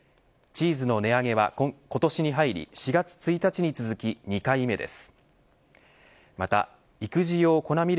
チーズの値上げは今年に入り４月１日に続き２回目です。